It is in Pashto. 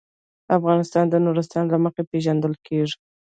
افغانستان د نورستان له مخې پېژندل کېږي.